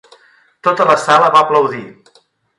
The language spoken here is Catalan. Tota la sala va aplaudir.